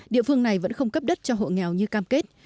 địa phương này vẫn không cấp đất cho hộ nghèo như cam kết